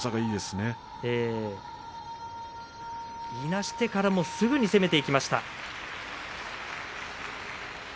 いなしてからもすぐに攻めていきました。